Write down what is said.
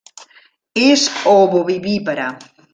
És ovovivípara.